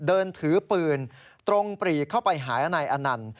เดินถือปืนตรงปรีเข้าไปหานายอนันต์